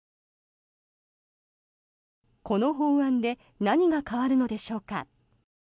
この法案で何が変わるのでしょうか。